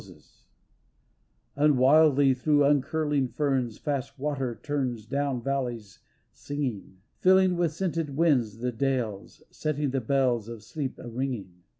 THE LANAWN SHEE 283 And wildly through uncurling ferns Fast water turns down valleys singing, Filling with scented winds the dales, Setting the bells of sleep a ringing.